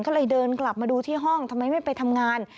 ก็เลยเดินกลับมาดูที่ห้องทำไมไม่ไปทำงาน